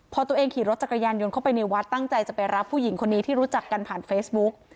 พอตัวเองขี่รถจักรยานยนต์เข้าไปในวัดตั้งใจจะไปรับผู้หญิงคนนี้ที่รู้จักกันผ่านเฟซบุ๊ก